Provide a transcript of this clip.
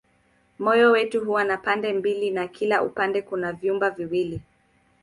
Moyo wetu huwa na pande mbili na kila upande kuna vyumba viwili.